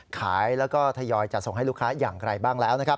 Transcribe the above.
ขายแล้วก็ทยอยจัดส่งให้ลูกค้าอย่างไรบ้างแล้วนะครับ